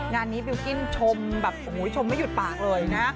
งานนี้บิลกิ้นชมไม่หยุดปากเลยนะ